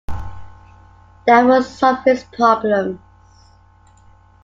That would solve his problems.